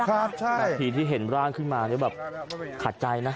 นาทีที่เห็นร่างขึ้นมาแบบขาดใจนะ